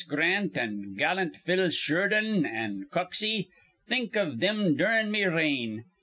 Grant an' gallant Phil Shurdan an' Coxey. Think iv thim durin' me reign.